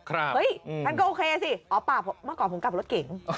ครับอืมคันก็โอเคสิอ๋อป่ะมาก่อนผมกลับรถเก่ง